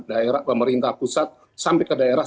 daerah pemerintah pusat sampai ke daerah